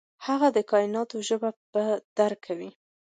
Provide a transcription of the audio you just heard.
هغه د کائنات ژبه درک کوي.